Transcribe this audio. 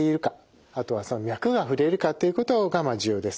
あとは脈が触れるかっていうことが重要です。